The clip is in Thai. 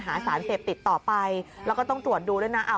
หาสารเสพติดต่อไปแล้วก็ต้องตรวจดูด้วยนะ